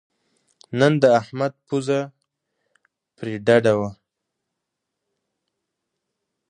نن د احمد پوزه پرې ډډه وه.